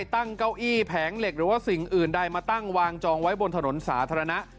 เก้าอี้แผงเหล็กหรือว่าสิ่งอื่นใดมาตั้งวางจองไว้บนถนนสาธารณะ